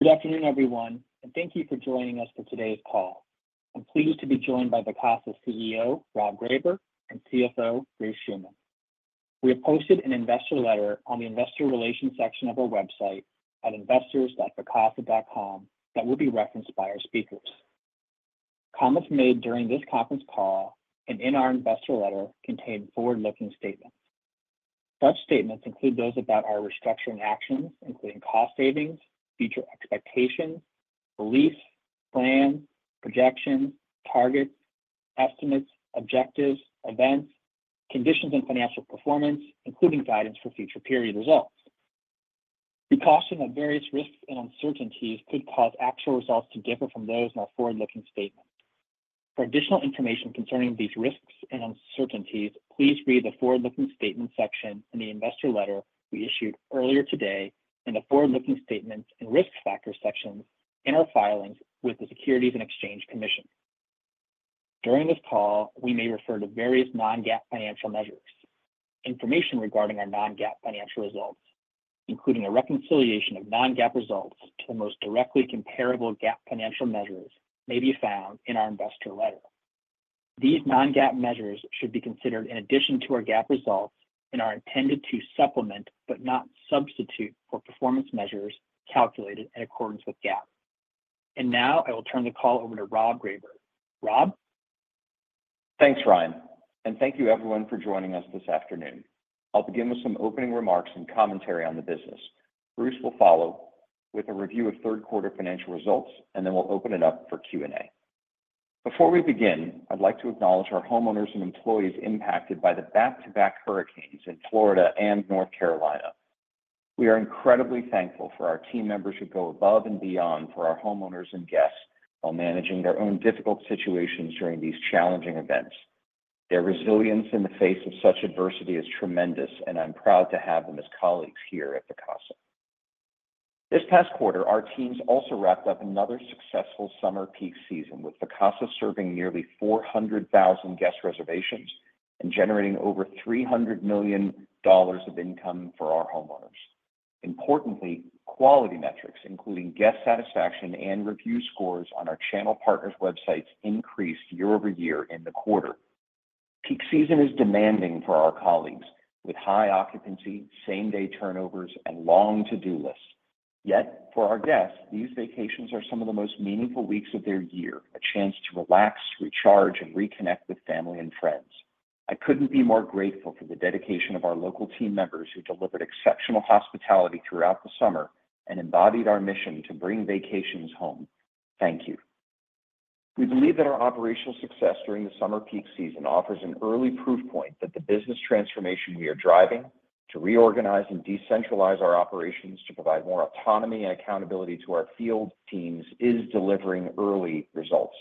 Good afternoon, everyone, and thank you for joining us for today's call. I'm pleased to be joined by Vacasa CEO, Rob Greyber, and CFO, Bruce Schuman. We have posted an investor letter on the investor relations section of our website at investors.vacasa.com that will be referenced by our speakers. Comments made during this conference call and in our investor letter contain forward-looking statements. Such statements include those about our restructuring actions, including cost savings, future expectations, beliefs, plans, projections, targets, estimates, objectives, events, conditions, and financial performance, including guidance for future period results. Occurrence of various risks and uncertainties could cause actual results to differ from those in our forward-looking statement. For additional information concerning these risks and uncertainties, please read the forward-looking statement section in the investor letter we issued earlier today, in the forward-looking statements and risk factor sections in our filings with the Securities and Exchange Commission. During this call, we may refer to various non-GAAP financial measures. Information regarding our non-GAAP financial results, including a reconciliation of non-GAAP results to the most directly comparable GAAP financial measures, may be found in our investor letter. These non-GAAP measures should be considered in addition to our GAAP results and are intended to supplement but not substitute for performance measures calculated in accordance with GAAP. And now I will turn the call over to Rob Greyber. Rob? Thanks, Ryan, and thank you, everyone, for joining us this afternoon. I'll begin with some opening remarks and commentary on the business. Bruce will follow with a review of third-quarter financial results, and then we'll open it up for Q&A. Before we begin, I'd like to acknowledge our homeowners and employees impacted by the back-to-back hurricanes in Florida and North Carolina. We are incredibly thankful for our team members who go above and beyond for our homeowners and guests while managing their own difficult situations during these challenging events. Their resilience in the face of such adversity is tremendous, and I'm proud to have them as colleagues here at Vacasa. This past quarter, our teams also wrapped up another successful summer peak season, with Vacasa serving nearly 400,000 guest reservations and generating over $300 million of income for our homeowners. Importantly, quality metrics, including guest satisfaction and review scores, on our channel partners' websites increased year over year in the quarter. Peak season is demanding for our colleagues, with high occupancy, same-day turnovers, and long to-do lists. Yet, for our guests, these vacations are some of the most meaningful weeks of their year, a chance to relax, recharge, and reconnect with family and friends. I couldn't be more grateful for the dedication of our local team members who delivered exceptional hospitality throughout the summer and embodied our mission to bring vacations home. Thank you. We believe that our operational success during the summer peak season offers an early proof point that the business transformation we are driving to reorganize and decentralize our operations to provide more autonomy and accountability to our field teams is delivering early results.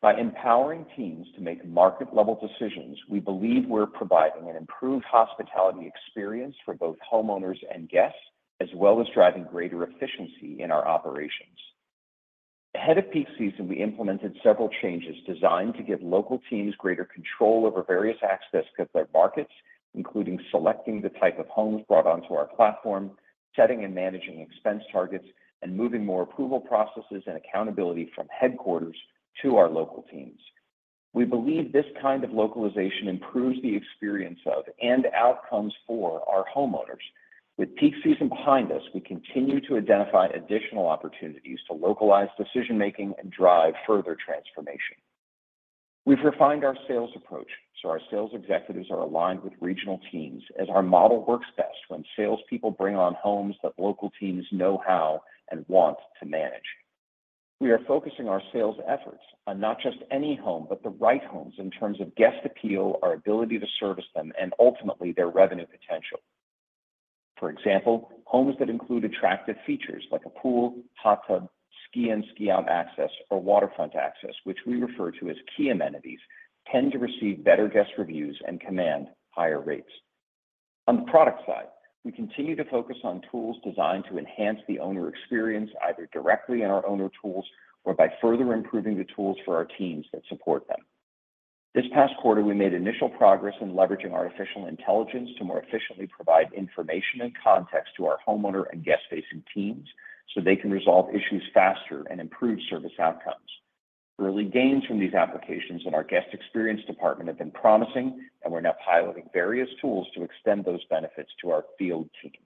By empowering teams to make market-level decisions, we believe we're providing an improved hospitality experience for both homeowners and guests, as well as driving greater efficiency in our operations. Ahead of peak season, we implemented several changes designed to give local teams greater control over various aspects of their markets, including selecting the type of homes brought onto our platform, setting and managing expense targets, and moving more approval processes and accountability from headquarters to our local teams. We believe this kind of localization improves the experience of and outcomes for our homeowners. With peak season behind us, we continue to identify additional opportunities to localize decision-making and drive further transformation. We've refined our sales approach so our sales executives are aligned with regional teams as our model works best when salespeople bring on homes that local teams know how and want to manage. We are focusing our sales efforts on not just any home, but the right homes in terms of guest appeal, our ability to service them, and ultimately their revenue potential. For example, homes that include attractive features like a pool, hot tub, ski-in, ski-out access, or waterfront access, which we refer to as key amenities, tend to receive better guest reviews and command higher rates. On the product side, we continue to focus on tools designed to enhance the owner experience either directly in our owner tools or by further improving the tools for our teams that support them. This past quarter, we made initial progress in leveraging artificial intelligence to more efficiently provide information and context to our homeowner and guest-facing teams so they can resolve issues faster and improve service outcomes. Early gains from these applications in our guest experience department have been promising, and we're now piloting various tools to extend those benefits to our field teams.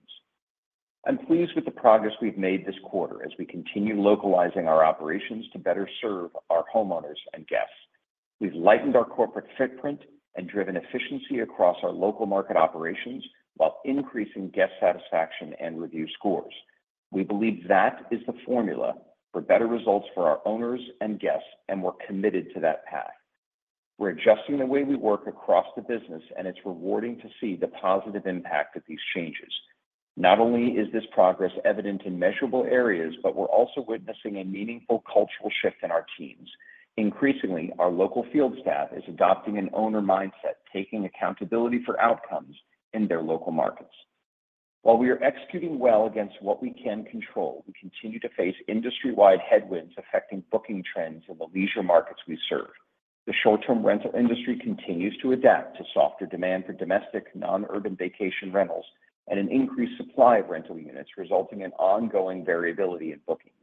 I'm pleased with the progress we've made this quarter as we continue localizing our operations to better serve our homeowners and guests. We've lightened our corporate footprint and driven efficiency across our local market operations while increasing guest satisfaction and review scores. We believe that is the formula for better results for our owners and guests, and we're committed to that path. We're adjusting the way we work across the business, and it's rewarding to see the positive impact of these changes. Not only is this progress evident in measurable areas, but we're also witnessing a meaningful cultural shift in our teams. Increasingly, our local field staff is adopting an owner mindset, taking accountability for outcomes in their local markets. While we are executing well against what we can control, we continue to face industry-wide headwinds affecting booking trends in the leisure markets we serve. The short-term rental industry continues to adapt to softer demand for domestic non-urban vacation rentals and an increased supply of rental units, resulting in ongoing variability in bookings.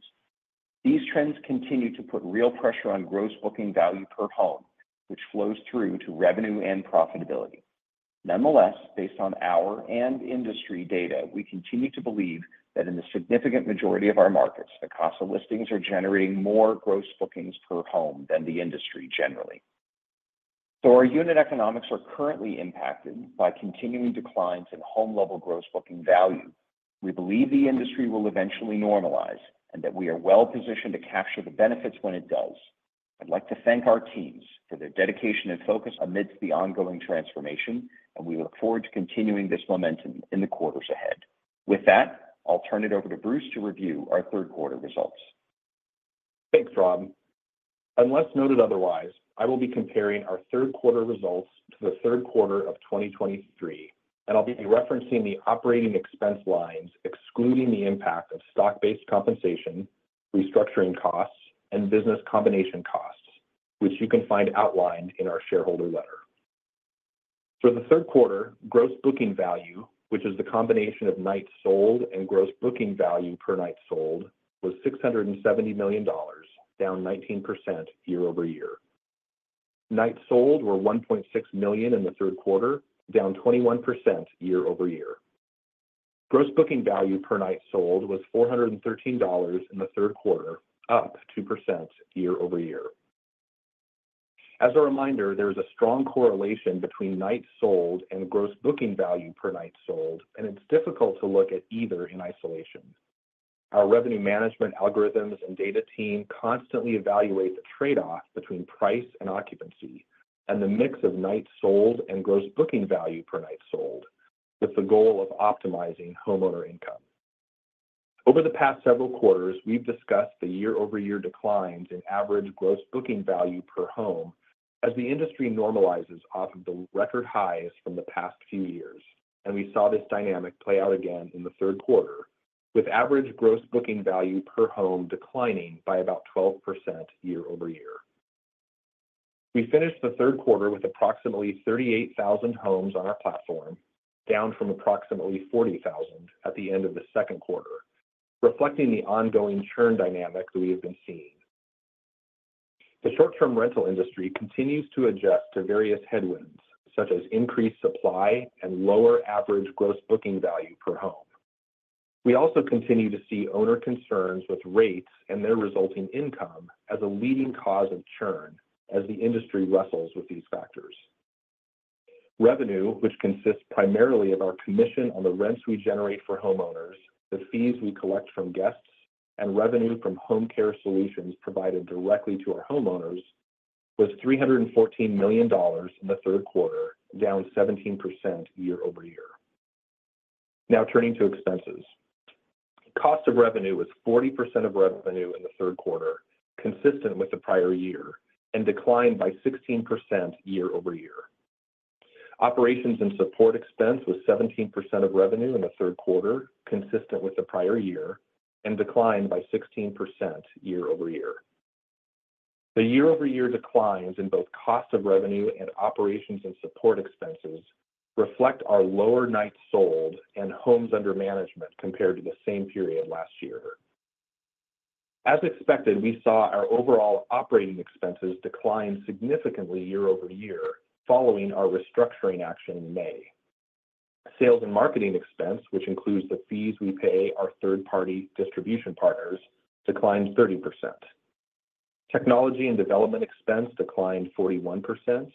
These trends continue to put real pressure on gross booking value per home, which flows through to revenue and profitability. Nonetheless, based on our and industry data, we continue to believe that in the significant majority of our markets, Vacasa listings are generating more gross bookings per home than the industry generally. Though our unit economics are currently impacted by continuing declines in home-level gross booking value, we believe the industry will eventually normalize and that we are well-positioned to capture the benefits when it does. I'd like to thank our teams for their dedication and focus amidst the ongoing transformation, and we look forward to continuing this momentum in the quarters ahead. With that, I'll turn it over to Bruce to review our third-quarter results. Thanks, Rob. Unless noted otherwise, I will be comparing our third-quarter results to the third quarter of 2023, and I'll be referencing the operating expense lines, excluding the impact of stock-based compensation, restructuring costs, and business combination costs, which you can find outlined in our shareholder letter. For the third quarter, gross booking value, which is the combination of nights sold and gross booking value per night sold, was $670 million, down 19% year over year. Nights sold were 1.6 million in the third quarter, down 21% year over year. Gross booking value per night sold was $413 in the third quarter, up 2% year over year. As a reminder, there is a strong correlation between nights sold and gross booking value per night sold, and it's difficult to look at either in isolation. Our revenue management algorithms and data team constantly evaluate the trade-off between price and occupancy and the mix of nights sold and gross booking value per night sold, with the goal of optimizing homeowner income. Over the past several quarters, we've discussed the year-over-year declines in average gross booking value per home as the industry normalizes off of the record highs from the past few years, and we saw this dynamic play out again in the third quarter, with average gross booking value per home declining by about 12% year over year. We finished the third quarter with approximately 38,000 homes on our platform, down from approximately 40,000 at the end of the second quarter, reflecting the ongoing churn dynamic that we have been seeing. The short-term rental industry continues to adjust to various headwinds, such as increased supply and lower average gross booking value per home. We also continue to see owner concerns with rates and their resulting income as a leading cause of churn as the industry wrestles with these factors. Revenue, which consists primarily of our commission on the rents we generate for homeowners, the fees we collect from guests, and revenue from home care solutions provided directly to our homeowners, was $314 million in the third quarter, down 17% year over year. Now turning to expenses. Cost of revenue was 40% of revenue in the third quarter, consistent with the prior year, and declined by 16% year over year. Operations and support expense was 17% of revenue in the third quarter, consistent with the prior year, and declined by 16% year over year. The year-over-year declines in both cost of revenue and operations and support expenses reflect our lower nights sold and homes under management compared to the same period last year. As expected, we saw our overall operating expenses decline significantly year over year following our restructuring action in May. Sales and marketing expense, which includes the fees we pay our third-party distribution partners, declined 30%. Technology and development expense declined 41%,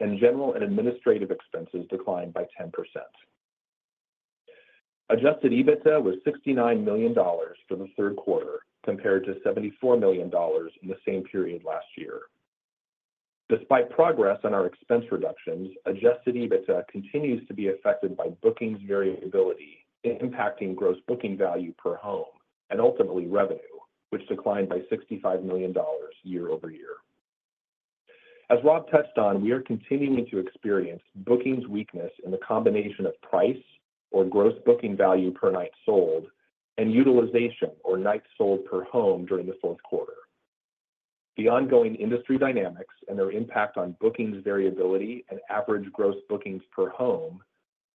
and general and administrative expenses declined by 10%. Adjusted EBITDA was $69 million for the third quarter, compared to $74 million in the same period last year. Despite progress on our expense reductions, adjusted EBITDA continues to be affected by bookings variability, impacting gross booking value per home and ultimately revenue, which declined by $65 million year over year. As Rob touched on, we are continuing to experience bookings weakness in the combination of price or gross booking value per night sold and utilization or nights sold per home during the fourth quarter. The ongoing industry dynamics and their impact on bookings variability and average gross bookings per home,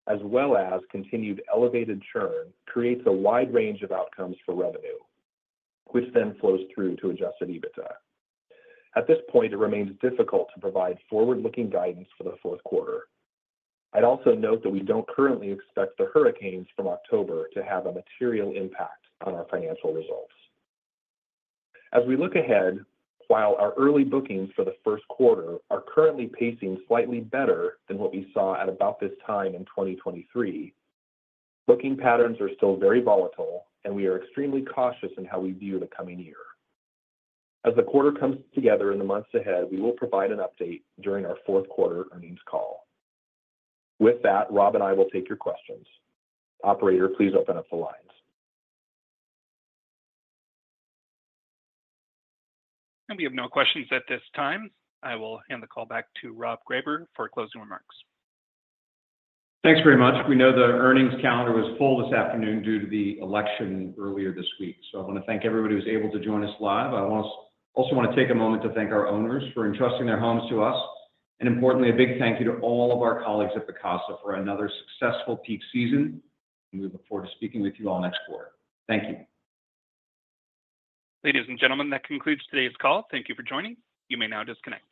as well as continued elevated churn, creates a wide range of outcomes for revenue, which then flows through to Adjusted EBITDA. At this point, it remains difficult to provide forward-looking guidance for the fourth quarter. I'd also note that we don't currently expect the hurricanes from October to have a material impact on our financial results. As we look ahead, while our early bookings for the first quarter are currently pacing slightly better than what we saw at about this time in 2023, booking patterns are still very volatile, and we are extremely cautious in how we view the coming year. As the quarter comes together in the months ahead, we will provide an update during our fourth quarter earnings call. With that, Rob and I will take your questions. Operator, please open up the lines. We have no questions at this time. I will hand the call back to Rob Greyber for closing remarks. Thanks very much. We know the earnings calendar was full this afternoon due to the election earlier this week, so I want to thank everybody who was able to join us live. I also want to take a moment to thank our owners for entrusting their homes to us, and importantly, a big thank you to all of our colleagues at Vacasa for another successful peak season. We look forward to speaking with you all next quarter. Thank you. Ladies and gentlemen, that concludes today's call. Thank you for joining. You may now disconnect.